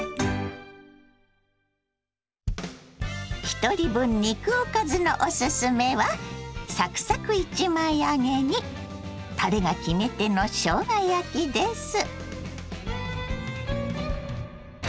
ひとり分肉おかずのおすすめはサクサク１枚揚げにたれが決め手のしょうが焼きです。